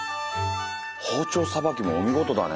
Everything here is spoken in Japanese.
包丁さばきもお見事だね。